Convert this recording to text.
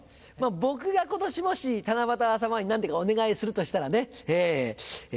僕が今年もし七夕さまに何かお願いするとしたらねえ。